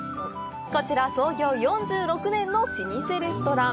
こちら、創業４６年の老舗レストラン。